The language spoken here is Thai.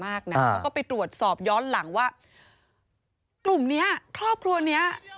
เขาก็เก่งมากนะเขาก็ไปตรวจสอบย้อนหลังว่ากลุ่มเนี้ยครอบครัวเนี้ย